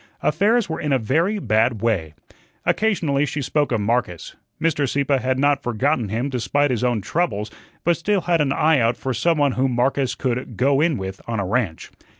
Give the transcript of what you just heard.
Affairs were in a very bad way. Occasionally she spoke of Marcus. Mr. Sieppe had not forgotten him despite his own troubles, but still had an eye out for some one whom Marcus could "go in with" on a ranch.